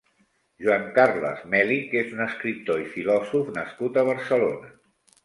Joan-Carles Mèlich és un escriptor i filòsof nascut a Barcelona.